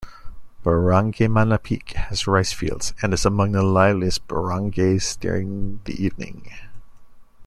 Barangay Manlapig has rice fields and is among the liveliest barangays during the evening.